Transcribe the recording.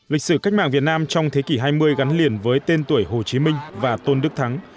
lịch sử cách mạng việt nam trong thế kỷ hai mươi gắn liền với tên tuổi hồ chí minh và tôn đức thắng